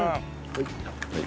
はい。